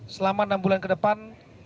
selama enam bulan ke depan